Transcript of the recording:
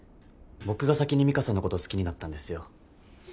僕が先に美香さんのことを好きになったんですよ。